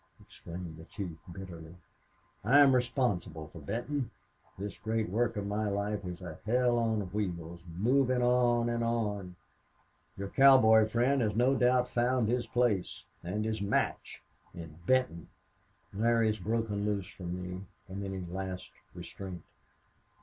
exclaimed the chief, bitterly. "I am responsible for Benton. This great work of my life is a hell on wheels, moving on and on.... Your cowboy friend has no doubt found his place and his match in Benton." "Larry has broken loose from me from any last restraint."